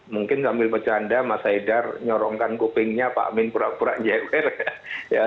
mungkin sambil bercanda mas haidar nyorongkan kupingnya pak amin pura pura nger